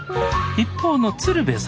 一方の鶴瓶さん